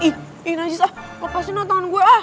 ih inajiz ah kepasiinlah tangan gue ah